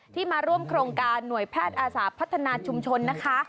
มาร่วมโครงการหน่วยแพทย์อาสาพัฒนาชุมชนนะคะ